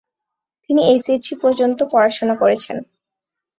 তিনি এইচএসসি পর্যন্ত পড়াশোনা করেছেন।